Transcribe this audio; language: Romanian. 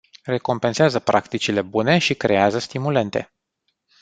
Recompensează practicile bune și creează stimulente.